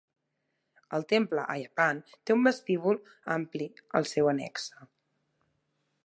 El temple Ayyappan té un vestíbul ampli al seu annexe.